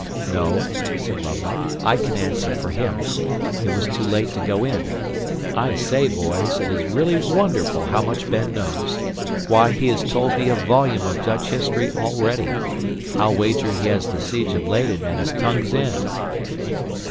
"No," said Lambert, "I can answer for him. It was too late to go in. I say, boys, it is really wonderful how much Ben knows. Why, he has told me a volume of Dutch history already. I'll wager he has the siege of Leyden at his tongue's end."